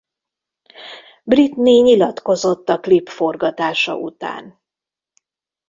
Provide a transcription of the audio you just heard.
Britney nyilatkozott a klip forgatása után.